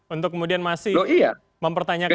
untuk kemudian masih mempertanyakan